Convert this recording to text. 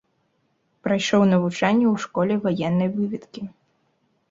Прайшоў навучанне ў школе ваеннай выведкі.